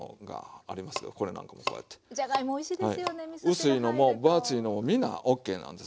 薄いのも分厚いのもみんなＯＫなんです。